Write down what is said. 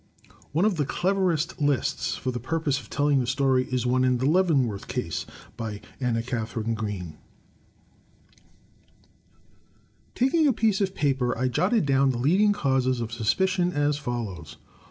One of the cleverest lists, for the purpose of telling the story is one in "The Leavenworth Case," by Anna Katharine Green: Taking a piece of paper, I jotted down the leading causes of sus picion as follows: 1.